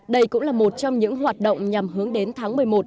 đây cũng là một trong những hoạt động nhằm hướng đến tháng một mươi một